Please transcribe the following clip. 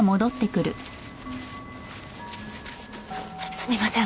すみません。